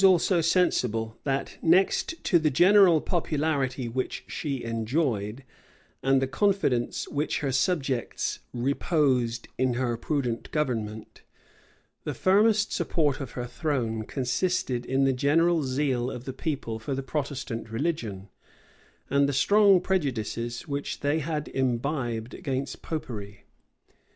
The queen also was sensible that, next to the general popularity which she enjoyed, and the confidence which her subjects reposed in her prudent government, the firmest support of her throne consisted in the general zeal of the people for the Protestant religion, and the strong prejudices which they had imbibed against Popery.